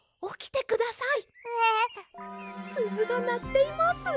すずがなっています！